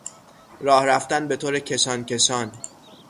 راه رفتن به طور کشان کشان